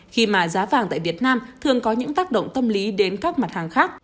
khi mà giá vàng tại việt nam thường có những tác động tâm lý đến các mặt hàng khác